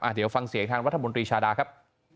อ่ะเดี๋ยวฟังเสียอีกทางวัฒนบนตรีชาดาครับ